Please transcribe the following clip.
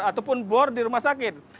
ataupun bor di rumah sakit